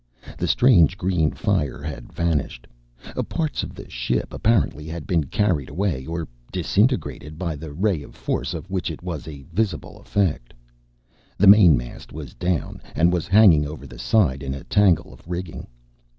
The strange green fire had vanished. Parts of the ship apparently had been carried away or disintegrated by the ray or the force of which it was a visible effect. The mainmast was down, and was hanging over the side in a tangle of rigging.